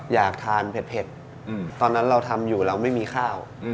อยากทานเผ็ดตอนนั้นเราทำอยู่เราไม่มีข้าว